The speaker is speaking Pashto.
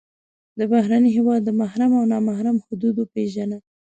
د بهرني هېواد د محرم او نا محرم حدود وپېژنه.